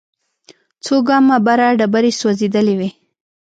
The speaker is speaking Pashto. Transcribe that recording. څو ګامه بره ډبرې سوځېدلې وې.